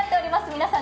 皆さん